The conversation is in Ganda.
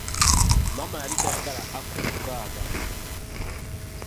Maama yali tayagala Aku ku kaaba.